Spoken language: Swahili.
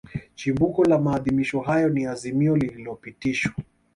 Chimbuko la maadhimisho hayo ni Azimio lililopitishwa